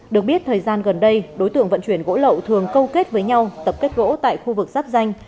được biết thời gian gần đây đối tượng vận chuyển gỗ lậu thường câu kết với nhau tập kết gỗ tại khu vực giáp danh